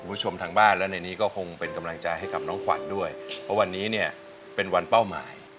คุณผู้ชมทางบ้านและในนี้ก็คงเป็นกำลังใจให้กับน้องขวัญด้วยเพราะวันนี้เนี่ยเป็นวันเป้าหมาย